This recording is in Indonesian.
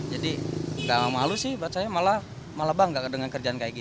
jadi enggak malu sih buat saya malah bangga dengan kerjaan ini